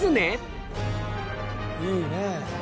いいね。